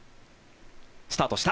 スタートした。